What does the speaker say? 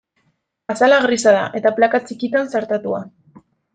Azala grisa da, eta plaka txikitan zartatua.